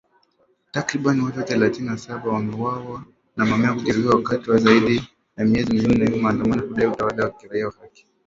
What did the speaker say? Takribani watu themanini na saba wameuawa na mamia kujeruhiwa wakati wa zaidi ya miezi minne ya maandamano ya kudai utawala wa kiraia na haki